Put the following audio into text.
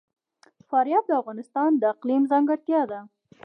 فاریاب د افغانستان د اقلیم ځانګړتیا ده.